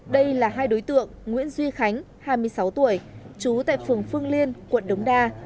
đây là hai đối tượng nguyễn duy khánh hai mươi sáu tuổi trú tại phường phương liên quận đống đa